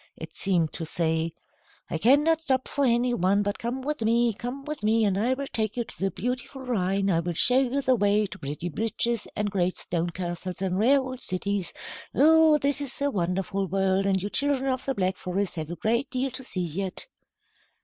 It seemed to say: "I cannot stop for any one. But come with me, come with me, and I will take you to the beautiful Rhine. I will show you the way to pretty bridges, and great stone castles, and rare old cities. Oh, this is a wonderful world, and you children of the Black Forest have a great deal to see yet."